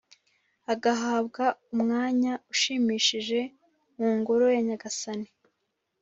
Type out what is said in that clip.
agahabwa umwanya ushimishije mu Ngoro ya Nyagasani.